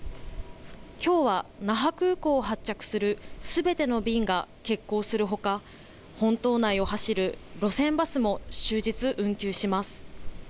きょうは、那覇空港を発着するすべての便が欠航するほか、本島内を走る路線バスも終日運休します。